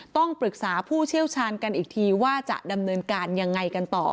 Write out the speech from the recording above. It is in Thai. ต้องปรึกษาผู้เชี่ยวชาญกันอีกทีว่าจะดำเนินการยังไงกันต่อ